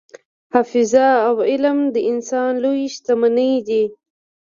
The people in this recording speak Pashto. حافظه او علم د انسان لویې شتمنۍ دي.